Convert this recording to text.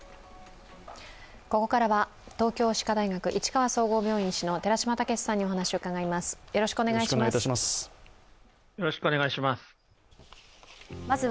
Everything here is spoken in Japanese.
ここからは東京歯科大学市川総合病院医師の寺嶋毅さんにお話を伺います。